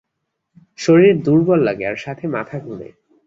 শরীর দুর্বল লাগে আর সাথে মাথা ঘুরে।